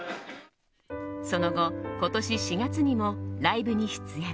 その後、今年４月にもライブに出演。